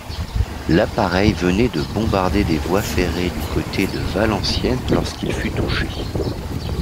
L’appareil venait de bombarder des voies ferrés du côté de Valenciennes lorsqu’il fut touché.